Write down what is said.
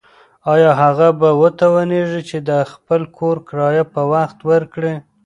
ایا هغه به وتوانیږي چې د خپل کور کرایه په وخت ورکړي؟